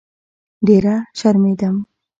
ډېره شرمېدم.